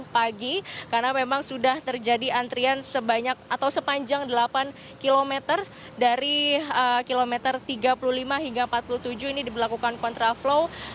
pagi karena memang sudah terjadi antrian sebanyak atau sepanjang delapan km dari kilometer tiga puluh lima hingga empat puluh tujuh ini diberlakukan kontraflow